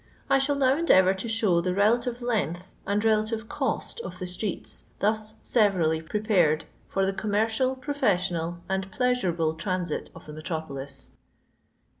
I shall now endeavour to show the relative length, and relative cost of the streets thus severally prepared for the commercial, professional, and pleasurable transit of the metropolis.